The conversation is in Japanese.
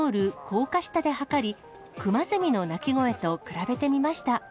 高架下で測り、クマゼミの鳴き声と比べてみました。